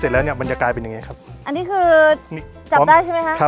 พอเสร็จแล้วเนี่ยมันจะกลายเป็นยังไงครับอันนี้คือจับได้ใช่ไหมครับ